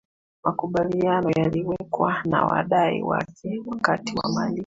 makubaliano yaliwekwa na wadai wake wakati wa malipo